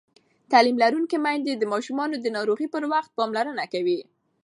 تعلیم لرونکې میندې د ماشومانو د ناروغۍ پر وخت پاملرنه کوي.